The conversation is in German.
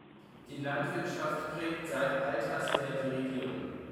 Die Landwirtschaft prägt seit alters her die Region.